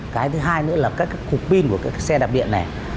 cái thứ hai nữa là các cục pin của các xe đạp điện này